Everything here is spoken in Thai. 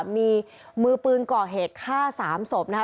มีมือปืนก่อเหตุฆ่า๓ศพนะคะ